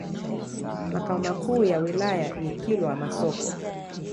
Makao makuu ya wilaya ni Kilwa Masoko.